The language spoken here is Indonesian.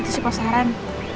itu sih pasaran